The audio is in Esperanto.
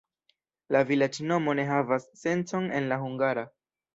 La vilaĝnomo ne havas sencon en la hungara.